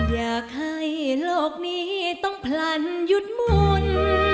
อยากให้โลกนี้ต้องพลันหยุดมุน